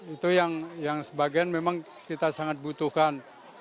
itu yang sebagian memang kita sangat butuhkan